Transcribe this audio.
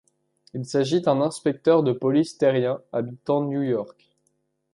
Il s'agit d'un inspecteur de police terrien habitant New York.